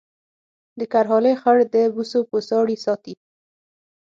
د کرهالې خړ د بوسو بوساړې ساتي